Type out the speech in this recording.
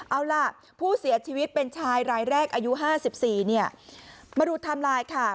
เอาล่ะผู้เสียชีวิตเป็นชายรายแรกอายุ๕๔เนี่ยมาดูไทม์ไลน์ค่ะ